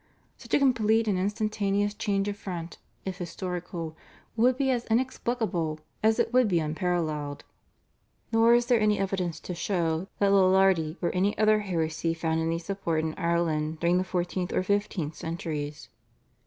Such a complete and instantaneous change of front, if historical, would be as inexplicable as it would be unparalleled. Nor is there any evidence to show that Lollardy or any other heresy found any support in Ireland during the fourteenth or fifteenth centuries.